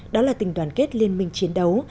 đó là tình đoàn kết liên minh chiến đấu